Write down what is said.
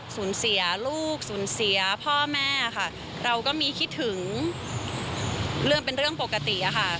สูญเสียลูกสูญเสียพ่อแม่เราก็คิดถึงเป็นเรื่องปกติ